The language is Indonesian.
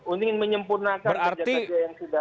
untuk menyempurnakan kerja kerja yang sudah